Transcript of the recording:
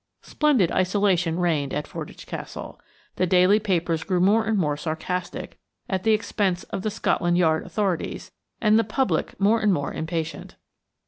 Splendid isolation reigned at Fordwych Castle. The daily papers grew more and more sarcastic at the expense of the Scotland Yard authorities, and the public more and more impatient.